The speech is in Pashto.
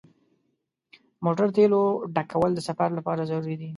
د موټر تیلو ډکول د سفر لپاره ضروري دي.